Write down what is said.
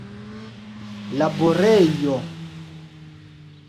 laborejo